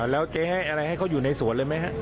แล้วเจ๊ให้อะไรให้เขาอยู่ในสวนเลยไหมฮะ